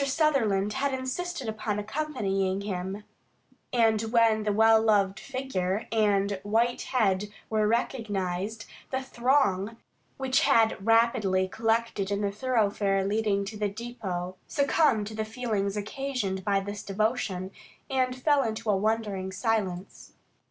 Sutherland had insisted upon accompanying him, and when the well loved figure and white head were recognised, the throng, which had rapidly collected in the thoroughfare leading to the depot, succumbed to the feelings occasioned by this devotion, and fell into a wondering silence.